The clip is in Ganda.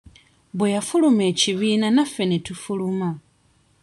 Bwe yafuluma ekibiina naffe ne tufuluma.